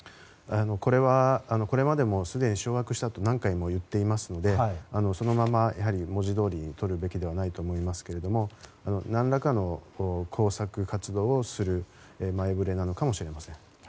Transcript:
これは、これまでもすでに掌握したと何回も言っていますのでそのまま文字どおりに取るべきではないと思いますけど何らかの工作活動をする前触れなのかもしれません。